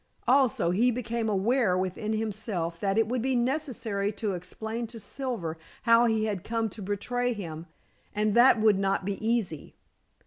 Also he became aware within himself that it would be necessary to explain to Silver how he had come to betray him, and that would not be easy.